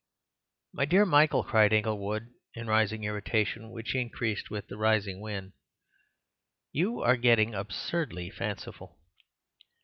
"My dear Michael," cried Inglewood, in a rising irritation which increased with the rising wind, "you are getting absurdly fanciful."